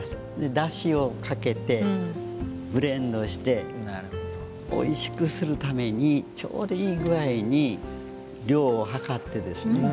ダシをかけてブレンドしておいしくするためにちょうどいい具合に量を量ってですね。